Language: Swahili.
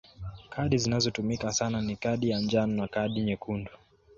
Kadi zinazotumika sana ni kadi ya njano na kadi nyekundu.